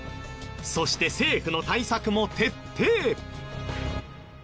そして政府の対策も徹底！